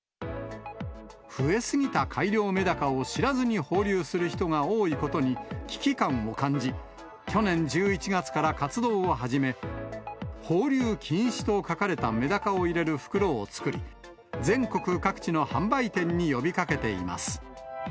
増えすぎた改良メダカを知らずに放流する人が多いことに、危機感を感じ、去年１１月から活動を始め、放流禁止と書かれたメダカを入れる袋を作り、全国各地の販売店に呼びかけています。